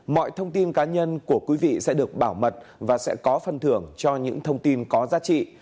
mọi thông tin cá nhân của quý vị sẽ được bảo mật và sẽ có phân thưởng cho những thông tin có giá trị